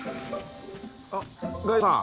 あっガイドさん